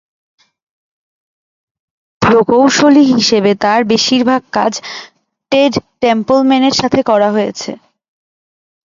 প্রকৌশলী হিসেবে তার বেশিরভাগ কাজ টেড টেম্পলম্যানের সাথে করা হয়েছে।